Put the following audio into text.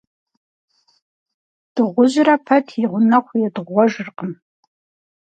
Дыгъужьырэ пэт и гъунэгъу едыгъуэжыркъым.